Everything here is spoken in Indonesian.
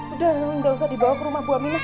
udah nggak usah dibawa ke rumah bu aminah